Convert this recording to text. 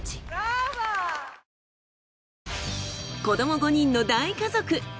子ども５人の大家族！